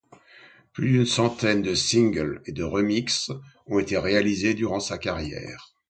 Plus d'une centaine de singles et remixes ont été réalisés durant sa carrière.